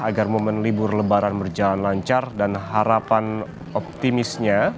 agar momen libur lebaran berjalan lancar dan harapan optimisnya